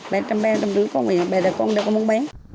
bè trăm bè trăm rưu con bè trăm bè bè trăm bè